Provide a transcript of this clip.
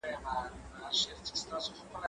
زه له سهاره کتابونه ليکم!.!.